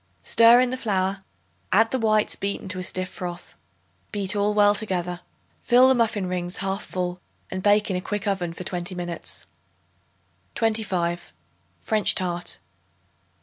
Stir in the flour; add the whites beaten to a stiff froth. Beat all well together. Fill the muffin rings 1/2 full and bake in a quick oven for twenty minutes. 25. French Tart.